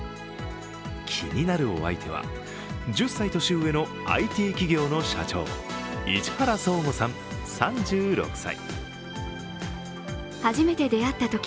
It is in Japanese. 気になるお相手は、１０歳年上のＩＴ企業の社長、市原創吾さん３６歳。